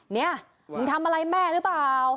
เนี่ยมึงทำอะไรแม่หรือเปล่า